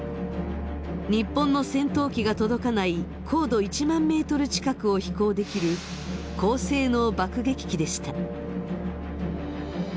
日本の戦闘機が届かない高度１万メートル近くを飛行できる高性能爆撃機でした。